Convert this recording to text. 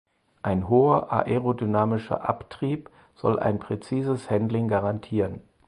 Ein hoher aerodynamischer Abtrieb soll ein präzises Handling garantieren.